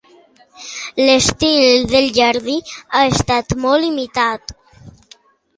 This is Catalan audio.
L'estil del jardí ha estat molt imitat.